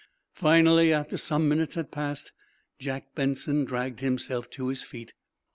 Finally, after some minutes had passed, Jack Benson dragged himself to his feet.